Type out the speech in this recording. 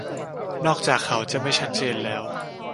นอกจากเขาจะไม่ชัดเจนแล้ว